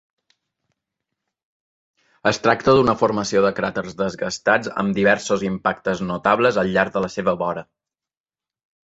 Es tracta d'una formació de cràters desgastats amb diversos impactes notables al llarg de la seva vora.